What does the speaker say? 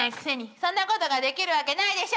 そんなことができるわけないでしょ！